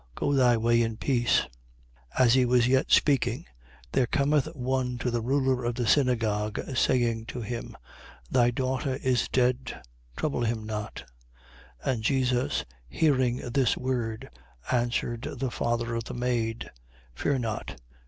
Go thy way in peace. 8:49. As he was yet speaking, there cometh one to the ruler of the synagogue, saying to him: Thy daughter is dead: trouble him not. 8:50. And Jesus hearing this word, answered the father of the maid: Fear not.